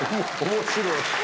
面白い！